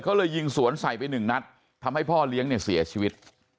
เขาเลยยิงสวนใส่ไปหนึ่งนัดทำให้พ่อเลี้ยงเนี่ยเสียชีวิต